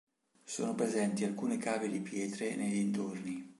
Sono presenti alcune cave di pietre nei dintorni.